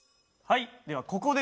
はい。